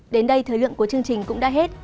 đến đây thời lượng của chương trình cũng đã hết